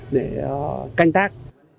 để canh tác